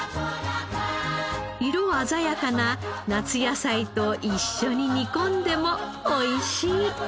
色鮮やかな夏野菜と一緒に煮込んでもおいしい。